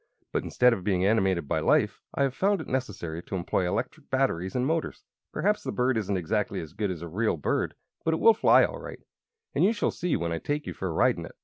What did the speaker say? But instead of being animated by life, I have found it necessary to employ electric batteries and motors. Perhaps the bird isn't exactly as good as a real bird, but it will fly all right, as you shall see when I take you for a ride in it."